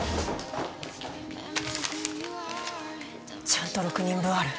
ちゃんと６人分ある。